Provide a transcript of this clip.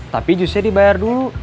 tapi jusnya dibayar dulu